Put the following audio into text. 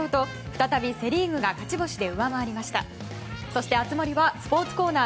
そして熱盛はスポーツコーナー